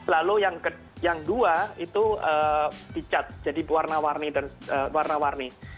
lalu yang kedua itu dicat jadi warna warni